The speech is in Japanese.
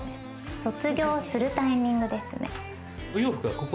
卒業するタイミングですね。